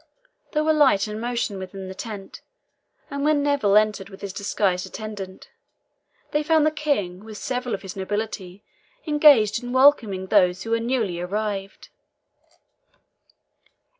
There were light and motion within the tent, and when Neville entered with his disguised attendant, they found the King, with several of his nobility, engaged in welcoming those who were newly arrived.